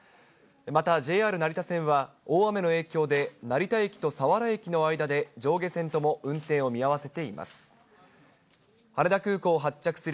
またＪＲ成田線は、大雨の影響で、成田駅と佐原駅の間で上下線とも運転を見合わせています。